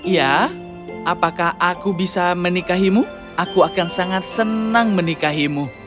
ya apakah aku bisa menikahimu aku akan sangat senang menikahimu